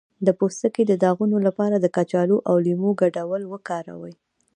د پوستکي د داغونو لپاره د کچالو او لیمو ګډول وکاروئ